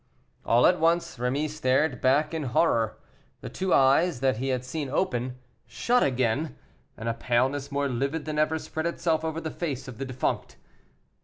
All at once Rémy started back in horror; the two eyes, that he had seen open, shut again, and a paleness more livid than ever spread itself over the face of the defunct.